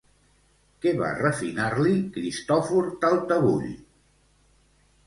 Què va refinar-li Cristòfor Taltabull?